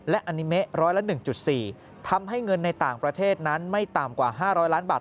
และอานิเมะร้อยละ๑๔ทำให้เงินในต่างประเทศนั้นไม่ต่ำกว่า๕๐๐ล้านบาท